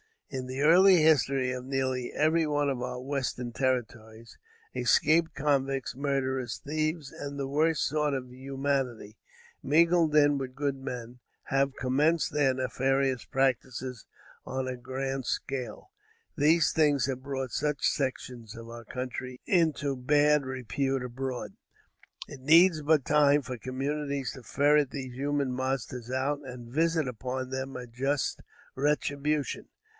In the early history of nearly every one of our western territories, escaped convicts, murderers, thieves and the worst sort of humanity, mingled in with good men, have commenced their nefarious practices on a grand scale. These things have brought such sections of our country into bad repute abroad. It needs but time for communities to ferret these human monsters out and visit upon them a just retribution.